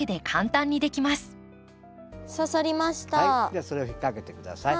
じゃあそれを引っ掛けて下さい。